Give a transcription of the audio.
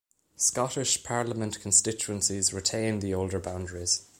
Scottish Parliament constituencies retain the older boundaries.